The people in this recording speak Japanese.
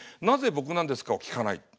「なぜ僕なんですか？」を聞かない。